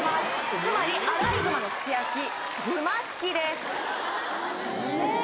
つまりアライグマのすき焼きグマすきですええー